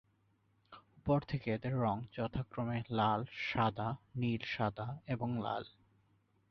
উপর থেকে এদের রঙ যথাক্রমে লাল, সাদা, নীল সাদা এবং লাল।